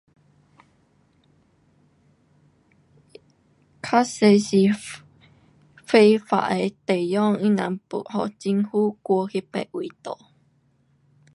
较多是非法的地方，他人要给政府赶去别位住。